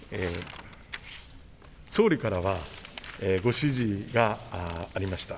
総理からは、ご指示がありました。